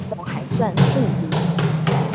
外婆行动还算顺利